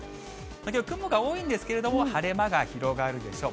きょう、雲が多いんですけれども、晴れ間が広がるでしょう。